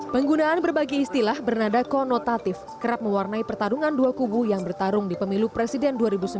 penggunaan berbagai istilah bernada konotatif kerap mewarnai pertarungan dua kubu yang bertarung di pemilu presiden dua ribu sembilan belas